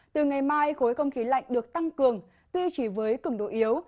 từ ngày mai khối không khí lạnh được tăng cường tuy chỉ với cứng độ yếu